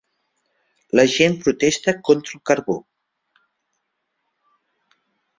La gent protesta contra el carbó.